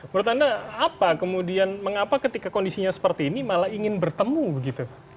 menurut anda apa kemudian mengapa ketika kondisinya seperti ini malah ingin bertemu begitu